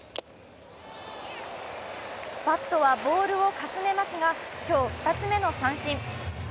バットはボールをかすめますが、今日２つ目の三振。